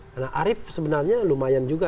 karena arief sebenarnya lumayan juga